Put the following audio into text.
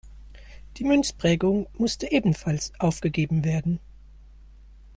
Die Münzprägung musste ebenfalls aufgegeben werden.